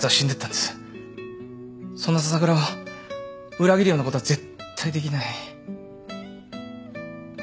そんな笹倉を裏切るようなことは絶対できない。